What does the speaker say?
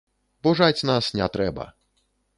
Пужаць нас не трэба.